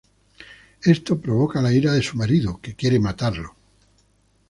Esto provoca la ira de su marido, que quiere matarlo.